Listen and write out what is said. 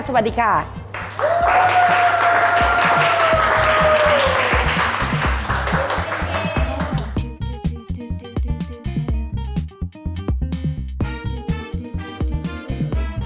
สวัสดีค่ะ